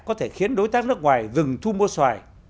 có thể khiến đối tác nước ngoài dừng thu mua xoài